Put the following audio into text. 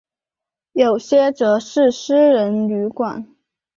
有些则是私人旅馆。